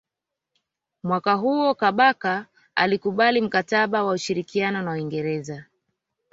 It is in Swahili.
Mwaka huo Kabaka alikubali mkataba wa ushirikiano na Uingereza